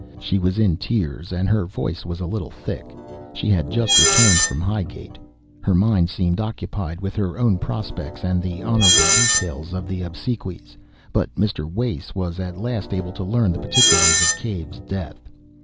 She was in tears, and her voice was a little thick. She had just returned from Highgate. Her mind seemed occupied with her own prospects and the honourable details of the obsequies, but Mr. Wace was at last able to learn the particulars of Cave's death.